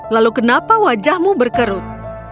lalu kenapa wajahmu berkerut